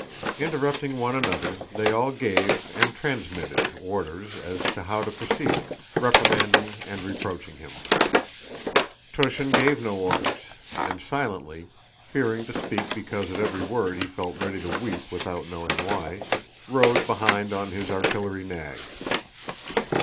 Interrupting one another, they all gave, and transmitted, orders as to how to proceed, reprimanding and reproaching him. Túshin gave no orders, and, silently—fearing to speak because at every word he felt ready to weep without knowing why—rode behind on his artillery nag.